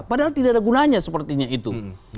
padahal tidak ada gunanya sepertinya itu